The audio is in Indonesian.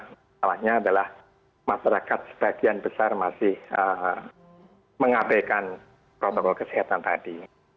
yang paling penting adalah masyarakat sebagian besar masih mengabaikan protokol kesehatan tadi